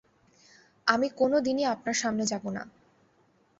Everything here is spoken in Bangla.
আমি কোনোদিনই আপনার সামনে যাব না।